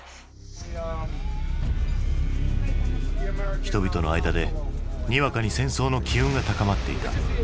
人々の間でにわかに戦争の機運が高まっていた。